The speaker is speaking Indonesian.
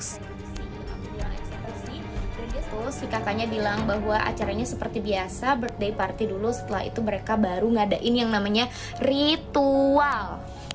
si kakaknya bilang bahwa acaranya seperti biasa birth day party dulu setelah itu mereka baru ngadain yang namanya ritual